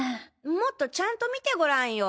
もっとちゃんと見てごらんよ。